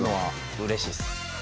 うれしいです。